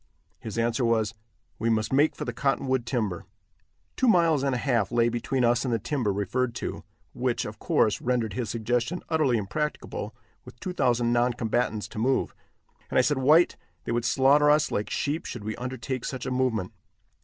His answer was, "We must make for the cottonwood timber." Two miles and a half lay between us and the timber referred to, which, of course, rendered his suggestion utterly impracticable with two thousand noncombatants to move, and I said: "White, they would slaughter us like sheep should we undertake such a movement.